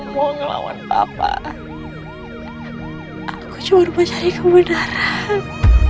mau ngelawan bapak aku cuma mencari kebenaran